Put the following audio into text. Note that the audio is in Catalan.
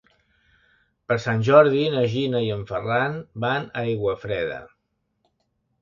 Per Sant Jordi na Gina i en Ferran van a Aiguafreda.